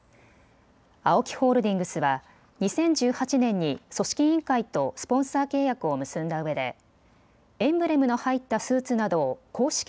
ＡＯＫＩホールディングスは２０１８年に組織委員会とスポンサー契約を結んだうえでエンブレムの入ったスーツなどを公式